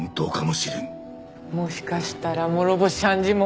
もしかしたら諸星判事も。